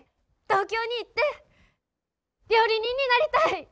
東京に行って料理人になりたい。